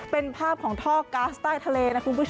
เป็นภาพของท่อก๊าซใต้ทะเล